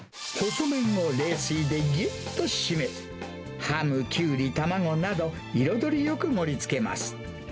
細麺を冷水でぎゅっと締め、ハム、キュウリ、卵など、彩りよく盛りつけます。